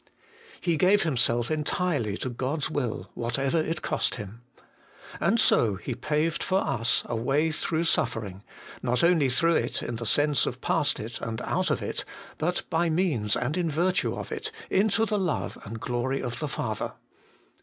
He gave Him self entirely to God's will, whatever it cost Him. And so He paved for us a way through suffer ing, not only through it in the sense of past it and out of it, but by means and in virtue of it, into the love and glory of the Father.